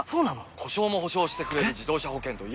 故障も補償してくれる自動車保険といえば？